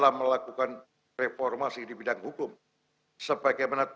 sebagai pengetahuan kami berharap dalam reformasi hukum bidana nasional yang sesuai dengan perkembangan zaman